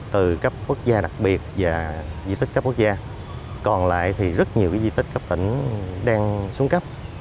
từ cấp quốc gia đặc biệt và di tích cấp quốc gia còn lại thì rất nhiều di tích cấp tỉnh đang xuống cấp